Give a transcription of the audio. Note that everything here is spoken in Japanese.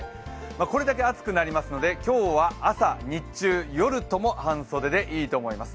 これだけ暑くなりますので、今日は朝、日中、夜とも半袖でいいと思います。